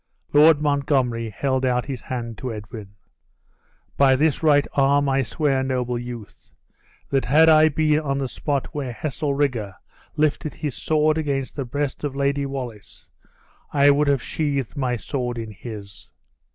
Lord Montgomery held out his hand to Edwin. "By this right arm, I swear, noble youth, that had I been on the spot when Heselrigge, lifted his sword against the breast of Lady Wallace, I would have sheathed my sword in his.